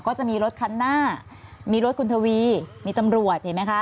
ก็จะมีรถคันหน้ามีรถคุณทวีมีตำรวจเห็นไหมคะ